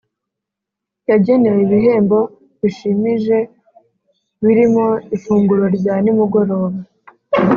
yagenewe ibihembo bishimije birimo Ifunguro rya nimugoroba